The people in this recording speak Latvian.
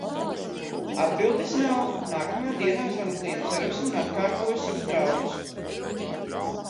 Atbildes nav. Nākamā dienā zvanu klientu servisam un atkārtoju savus draudus.